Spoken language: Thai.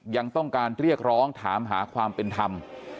ยังต้องการเรียกร้องถามหาความเป็นธรรม